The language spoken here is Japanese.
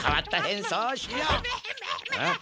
ん？